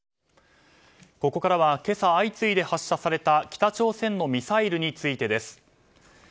ここからは今朝、相次いで発射された北朝鮮のミサイルについてです。